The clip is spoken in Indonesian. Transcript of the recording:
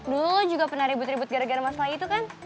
duh juga pernah ribut ribut gara gara masalah itu kan